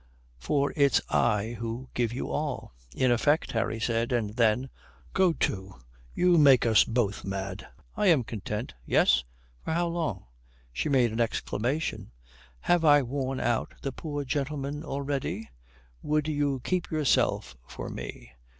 For it's I who give you all." "In effect," Harry said: and then, "go to, you make us both mad." "I am content." "Yes, and for how long?" She made an exclamation. "Have I worn out the poor gentleman already?" "Would you keep yourself for me?